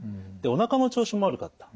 おなかの調子も悪かった。